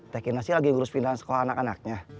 teh kirasi lagi ngurus pindahan sekolah anak anaknya